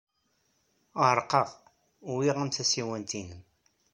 Ɛerqeɣ, uwyeɣ-am tasiwant-nnem.